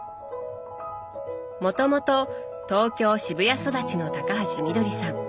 もともと東京渋谷育ちの高橋みどりさん。